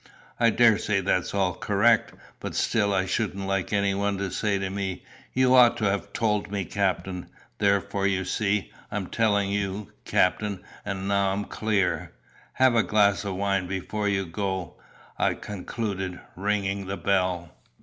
"I daresay that's all correct, but still I shouldn't like anyone to say to me, 'You ought to have told me, captain.' Therefore, you see, I'm telling you, captain, and now I'm clear. Have a glass of wine before you go," I concluded, ringing the bell.